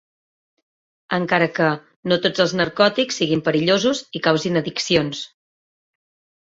Encara que, no tots els narcòtics siguin perillosos i causin addiccions.